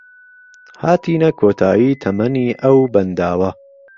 هاتینە کۆتایی تەمەنی ئەو بەنداوە